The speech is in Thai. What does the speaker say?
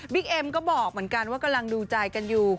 เอ็มก็บอกเหมือนกันว่ากำลังดูใจกันอยู่